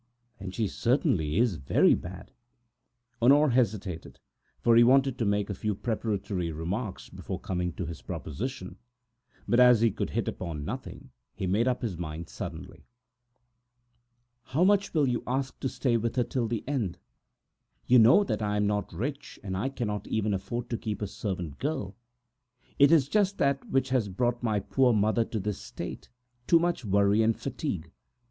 "Then she certainly is very bad!" Honore hesitated, for he wanted to make a few preliminary remarks before coming to his proposal, but as he could hit upon nothing, he made up his mind suddenly. "How much are you going to ask to stop with her till the end? You know that I am not rich, and I cannot even afford to keep a servant girl. It is just that which has brought my poor mother to this state, too much work and fatigue!